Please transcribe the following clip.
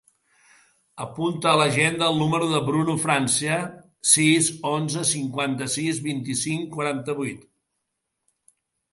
Apunta a l'agenda el número del Bruno Francia: sis, onze, cinquanta-sis, vint-i-cinc, quaranta-vuit.